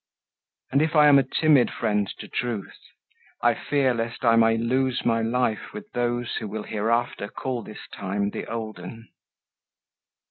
And if I am a timid friend to truth, I fear lest I may lose my life with those Who will hereafter call this time the olden."